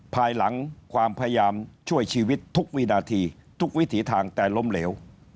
ภายหลังความพยายามช่วยชีวิตทุกวินาทีทุกวิถีทางแต่ล้มเหลว